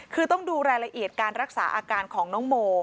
คือต้องดูรายละเอียดการรักษาอาการของน้องโม